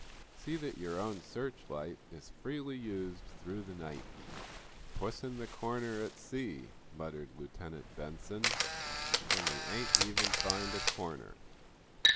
See that your own search light is freely used through the night." "'Puss in the Corner,' at sea," muttered Lieutenant Benson. "And we ain't even find a corner."